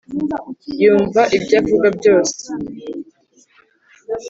yumva ibyo bavuga byase